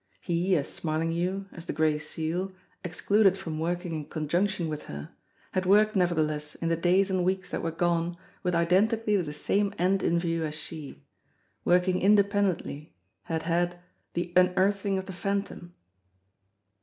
He, as Smarling hue, as the Gray Seal, excluded from working in conjunction with her, had worked nevertheless in the days and weeks that were gone with identically the same end in view as she, working independently, had had the unearthing of the Phantom.